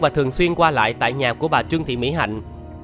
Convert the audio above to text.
và thường xuyên qua lại tại nhà của bà trương thị mỹ hạnh